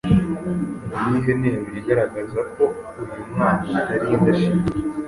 Ni iyihe nteruro igaragaza ko uyu mwana atari indashima.